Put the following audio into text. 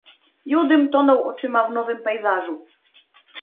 "Judym tonął oczyma w nowym pejzażu."